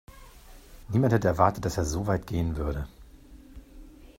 Niemand hätte erwartet, dass er so weit gehen würde.